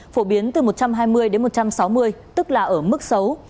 phổ biến từ một trăm hai mươi đến một trăm sáu mươi tức là ở mức xấu